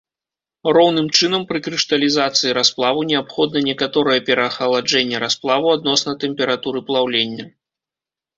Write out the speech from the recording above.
Роўным чынам пры крышталізацыі расплаву неабходна некаторае пераахаладжэнне расплаву адносна тэмпературы плаўлення.